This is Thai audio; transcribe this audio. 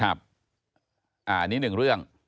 อันนี้หนึ่งเรื่อง